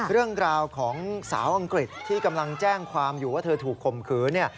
เรื่องราวของสาวอังกฤษที่กำลังแจ้งความอยู่ว่าเธอถูกข่มขืนเนี่ย